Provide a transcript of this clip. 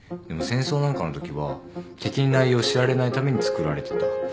でも戦争なんかのときは敵に内容を知られないために作られてた。